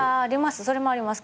あります